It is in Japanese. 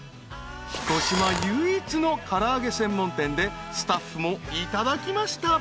［彦島唯一の唐揚げ専門店でスタッフもいただきました］